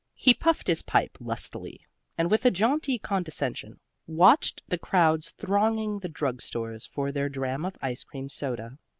He puffed his pipe lustily and with a jaunty condescension watched the crowds thronging the drugstores for their dram of ice cream soda.